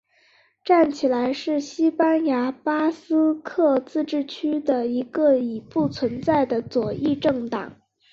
站起来是西班牙巴斯克自治区的一个已不存在的左翼政党。